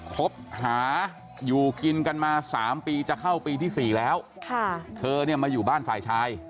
คบหาอยู่กินกันมา๓ปีจะเข้าปีที่๔แล้วเธอเนี่ยมาอยู่บ้านฝ่ายชาย